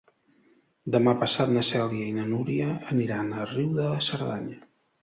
Demà passat na Cèlia i na Núria aniran a Riu de Cerdanya.